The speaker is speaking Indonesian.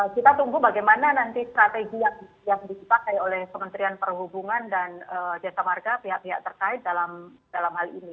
kita tunggu bagaimana nanti strategi yang dipakai oleh kementerian perhubungan dan jasa marga pihak pihak terkait dalam hal ini